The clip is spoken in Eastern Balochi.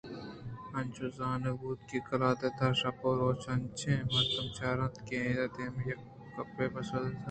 انچوش زانگ بوت کہ قلات ءِ تہا شپ ءُروچ انچائیں مردم چاڑ کہ انت کہ دمان ءَ یک یک گپے ءِ پسو دیگ ءَ ساڑی اَنت